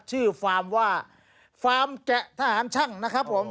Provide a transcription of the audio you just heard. ฟาร์มว่าฟาร์มแกะทหารช่างนะครับผม